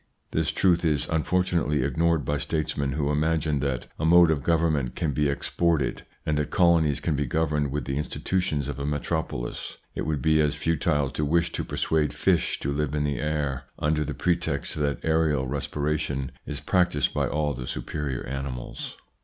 This truth is unfortunately ignored by statesmen who imagine that a mode of government can be exported, and that colonies can be governed with the institutions of a metropolis. It would be as futile to wish to persuade fish to live in the air, under the pretext that aerial respiration is practised by all the superior animals.